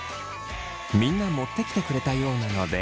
みんな持ってきてくれたようなので。